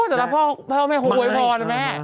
โอ๊ะแต่ถ้าพ่อไม่โฮ๊ไม่พอนะแม่